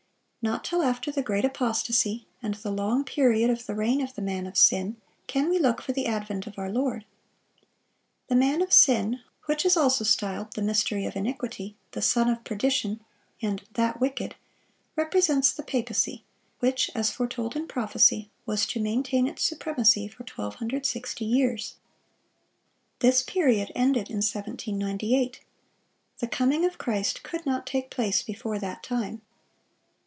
(592) Not till after the great apostasy, and the long period of the reign of the "man of sin," can we look for the advent of our Lord. The "man of sin," which is also styled the "mystery of iniquity," the "son of perdition," and "that wicked," represents the papacy, which, as foretold in prophecy, was to maintain its supremacy for 1260 years. This period ended in 1798. The coming of Christ could not take place before that time.